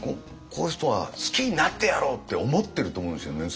こういう人は好きになってやろうって思ってると思うんですよね。